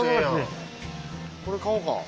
これ買おうか。